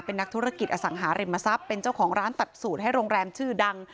เป็นนักธุรกิจอสังหาริมทรัพย์เป็นเจ้าของร้านตัดสูตรให้โรงแรมชื่อดัง